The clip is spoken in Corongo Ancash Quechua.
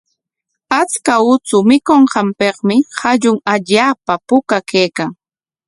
Achka uchu mikunqanpikmi qallun allaapa puka kaykan.